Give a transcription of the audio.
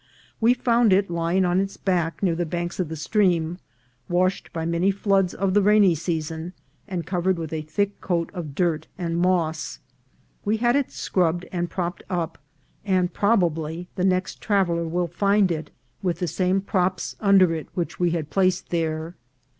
"We found it lying on its back near the banks of the stream, washed by many floods of the rainy season, and covered with a thick coat of dirt and moss. We had it scrubbed and propped up, and probably the next traveller will find it with the VOL, II.— X x 30 346 INCIDENTS OF TRAVEL. same props under it which we placed there.